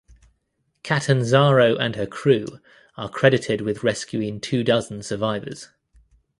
Catanzaro and her crew are credited with rescuing two dozen survivors.